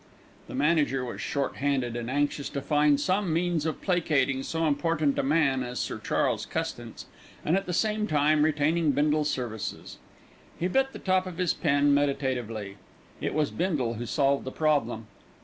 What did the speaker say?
The manager was short handed and anxious to find some means of placating so important a man as Sir Charles Custance, and, at the same time, retaining Bindle's services. He bit the top of his pen meditatively. It was Bindle who solved the problem.